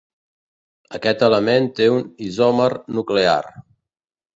Aquest element té un isòmer nuclear.